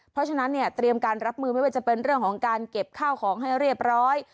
เพราะฉะนั้นเนี่ยเตรียมการรับมือไม่ว่าจะเป็นเรื่องของการเก็บข้าวของให้เรียบร้อย